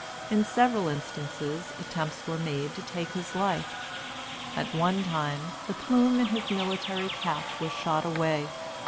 In several instances attempts were made to take his life. At one time, the plume in his military cap was shot away.